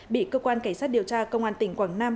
bị cơ quan cảnh sát điều tra công an tỉnh quảng nam